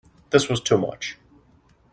This was too much.